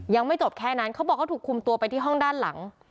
ยังไม่จบแค่นั้นเขาบอกเขาถูกคุมตัวไปที่ห้องด้านหลัง